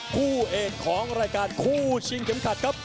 คู่เอกของรายการคู่ชิงเข็มขัดครับ